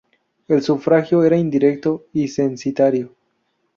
El sufragio era indirecto y censitario.